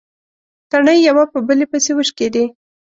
تڼۍ يوه په بلې پسې وشکېدې.